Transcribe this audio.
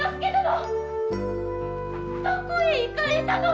どこへ行かれたのじゃ。